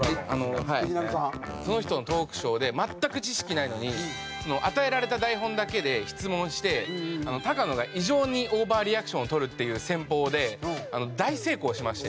その人のトークショーで全く知識ないのに与えられた台本だけで質問して高野が異常にオーバーリアクションを取るっていう戦法で大成功しまして。